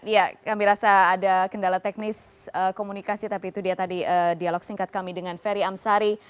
ya kami rasa ada kendala teknis komunikasi tapi itu dia tadi dialog singkat kami dengan ferry amsari